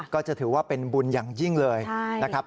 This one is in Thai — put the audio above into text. ก็จะถือว่าเป็นบุญอย่างยิ่งเลยนะครับ